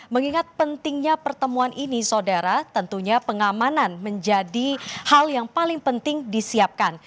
mengingat pentingnya pertemuan ini saudara tentunya pengamanan menjadi hal yang paling penting disiapkan